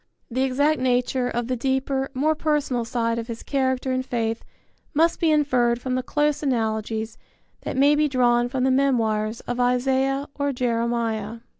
The exact nature of the deeper, more personal side of his character and faith must be inferred from the close analogies that may be drawn from the memoirs of Isaiah or Jeremiah.